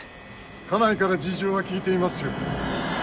家内から事情は聞いていますよ。